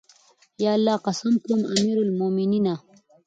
په الله قسم کوم امير المؤمنینه!